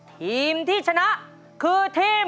ทีมที่ชนะคือทีม